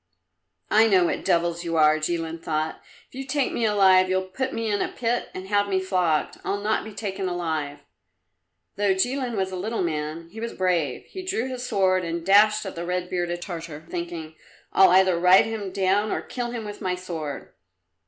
"I know what devils you are!" Jilin thought. "If you take me alive, you'll put me in a pit and have me flogged. I'll not be taken alive!" Though Jilin was a little man, he was brave. He drew his sword and dashed at the red bearded Tartar, thinking, "I'll either ride him down or kill him with my sword."